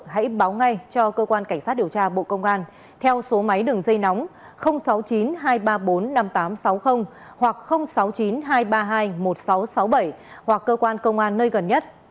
hãy báo ngay cho cơ quan cảnh sát điều tra bộ công an theo số máy đường dây nóng sáu mươi chín hai trăm ba mươi bốn năm nghìn tám trăm sáu mươi hoặc sáu mươi chín hai trăm ba mươi hai một nghìn sáu trăm sáu mươi bảy hoặc cơ quan công an nơi gần nhất